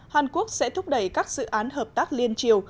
hàn quốc sẽ thúc đẩy các dự án hợp tác liên triều